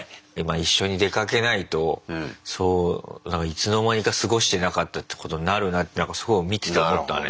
一緒に出かけないといつの間にか過ごしてなかったってことになるなってすごい見てて思ったね。